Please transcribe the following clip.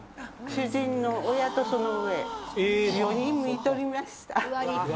主人の親とその上、４人みとりました。